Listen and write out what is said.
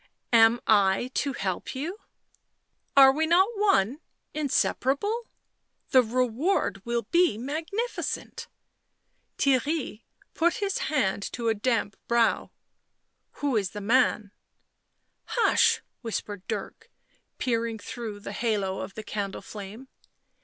"Am I to help you?" " Are we not one — inseparable ? The reward will be magnificent." Theirry put his hand to a damp brow. " Who is the man V " Hush !" whispered Dirk, peering through the halo of the candle flame.